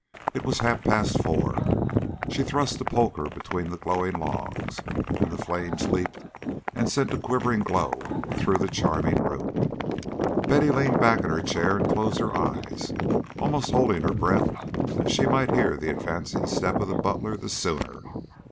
It was half past four. She thrust the poker between the glowing logs, and the flames leaped and sent a quivering glow through the charming room. Betty leaned back in her chair and closed her eyes, almost holding her breath that she might hear the advancing step of the butler the sooner.